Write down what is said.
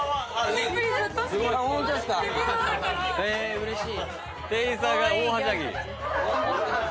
うれしい。